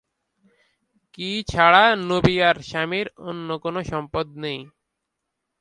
কি ছাড়া নবীয়ার স্বামীর অন্য কোনো সম্পদ নেই?